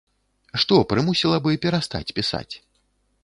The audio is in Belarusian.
Што прымусіла бы перастаць пісаць?